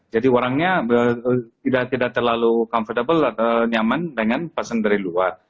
jadi orangnya tidak terlalu comfortable atau nyaman dengan pesen dari luar